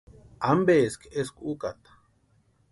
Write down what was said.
¿Ampeeski eskwa úkata?